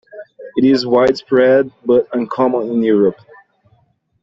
It is widespread but uncommon in Europe.